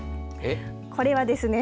これはですね